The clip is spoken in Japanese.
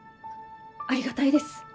ありがたいです。